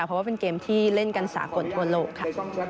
เพราะว่าเป็นเกมที่เล่นกันสากลทั่วโลกค่ะ